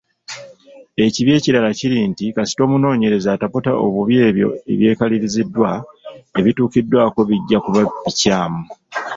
Ekibi ekirala kiri nti, kasita omunoonyereza ataputa obubi ebyo ebyekaliriziddwa, ebituukiddwako bijja kuba bikyamu.